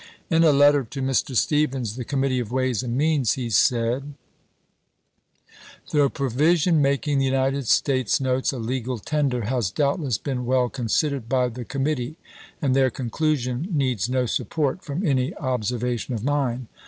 In a letter to Mr. 232 ABKAHAM LINCOLN CHAP. XI. Stevens, of the Committee of Ways and Means, Jan. 29, 1862. he Said t The provision making the United States notes a legal tender has doubtless been well considered by the commit tee, and their conclusion needs no support from any observation of mine.